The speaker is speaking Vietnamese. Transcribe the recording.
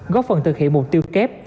góp phần thực hiện mục tiêu kép